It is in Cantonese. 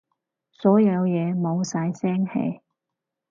所有嘢冇晒聲氣